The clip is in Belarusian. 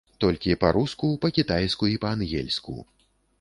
Толькі па-руску, па-кітайску і па-ангельску.